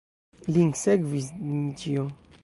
Lin sekvis Dmiĉjo.